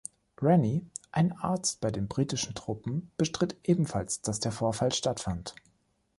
Rennie, ein Arzt bei den britischen Truppen, bestritt ebenfalls, dass der Vorfall stattfand.